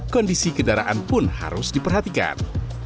kondisi kendaraan pun harus diperhatikan